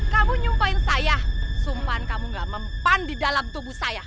kamu nyumpahin saya sumpan kamu gak mempan di dalam tubuh saya